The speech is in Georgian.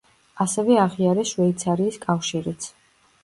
ასევე აღიარეს შვეიცარიის კავშირიც.